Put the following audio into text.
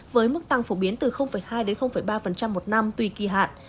với mức tăng phổ biến từ hai đến ba một năm tùy kỳ hạn